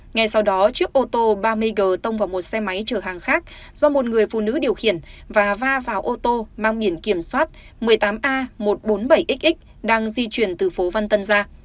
ngay sau đó chiếc ô tô ba mươi g tông vào một xe máy chở hàng khác do một người phụ nữ điều khiển và va vào ô tô mang biển kiểm soát một mươi tám a một trăm bốn mươi bảy x đang di chuyển từ phố văn tân ra